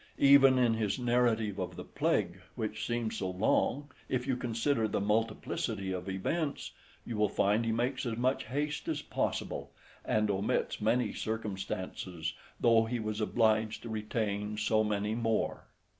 Even in his narrative of the plague which seems so long, if you consider the multiplicity of events, you will find he makes as much haste as possible, and omits many circumstances, though he was obliged to retain so many more.